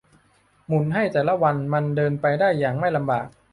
หมุนให้แต่ละวันมันเดินไปได้อย่างไม่ลำบาก